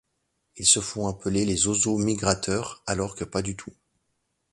Ils se font appeler les zozos mi-gratteurs alors que pas du tout.